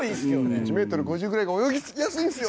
１ｍ５０ぐらいが泳ぎやすいんですよ！